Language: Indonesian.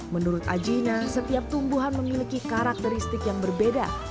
menurut ajina setiap tumbuhan memiliki karakteristik yang berbeda